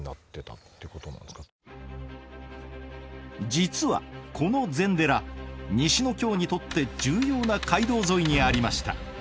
実はこの禅寺西の京にとって重要な街道沿いにありました。